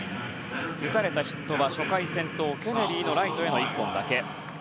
打たれたヒットは初回先頭のケネリーのライトへの１本だけ。